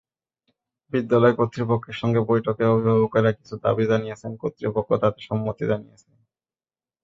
বিদ্যালয় কর্তৃপক্ষের সঙ্গে বৈঠকে অভিভাবকেরা কিছু দাবি জানিয়েছেন, কর্তৃপক্ষ তাতে সম্মতি জানিয়েছে।